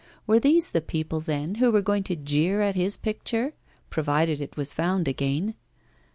Were these the people, then, who were going to jeer at his picture, provided it were found again?